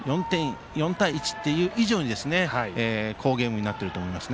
４対１という以上に好ゲームになっていると思います。